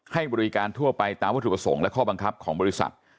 ให้บริการทั่วไปตามวัตถุประสงค์และข้อบังคับของบริษัท